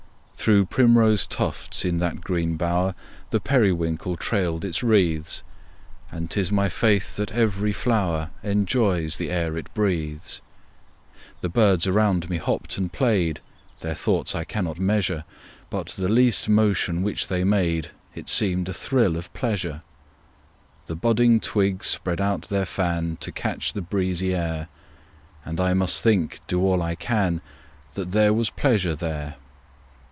Through primrose tufts, in that green bower, The periwinkle trailed its wreaths; And 'tis my faith that every flower Enjoys the air it breathes. The birds around me hopped and played, Their thoughts I cannot measure: But the least motion which they made It seemed a thrill of pleasure. The budding twigs spread out their fan, To catch the breezy air; And I must think, do all I can, That there was pleasure there.